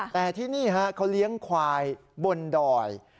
แต่ที่นี่ฮะเขาเลี้ยงควายบนดอย